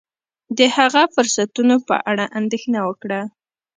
د هغه فرصتونو په اړه اندېښنه وکړه.